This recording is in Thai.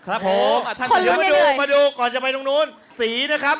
โอ้โหเราเรียกหน่อยเงินเลยมาดูก่อนจะไปตรงนู้นสีนะครับ